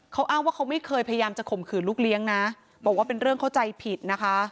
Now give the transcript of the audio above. เขาอ้างว่าเขาไม่เคยพยายามจะข่มขืนลูกเลี้ยงนะบอกว่าเป็นเรื่องเข้าใจผิดนะคะ